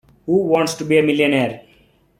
Who Wants to Be a Millionaire?